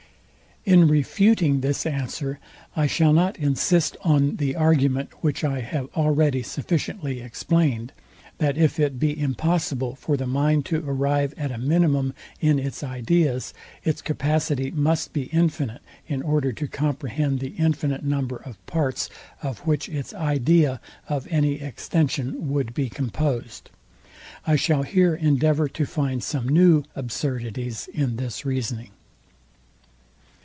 In refuting this answer I shall not insist on the argument, which I have already sufficiently explained, that if it be impossible for the mind to arrive at a minimum in its ideas, its capacity must be infinite, in order to comprehend the infinite number of parts, of which its idea of any extension would be composed. I shall here endeavour to find some new absurdities in this reasoning.